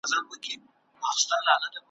زما سندره تر قیامته له جهان سره پاییږی ,